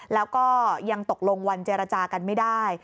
แล้วก็ยังตกลงวันเจรจากันไม่ได้